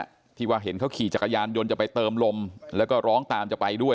ที่ว่าเห็นเขาขี่จักรยานยนต์จะไปเติมลมแล้วก็ร้องตามจะไปด้วย